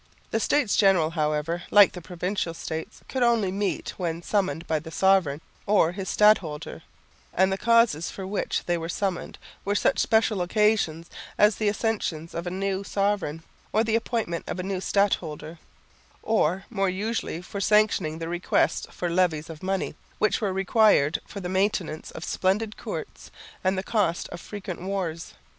The States General however, like the Provincial States, could only meet when summoned by the sovereign or his stadholder; and the causes for which they were summoned were such special occasions as the accession of a new sovereign or the appointment of a new stadholder, or more usually for sanctioning the requests for levies of money, which were required for the maintenance of splendid courts and the cost of frequent wars.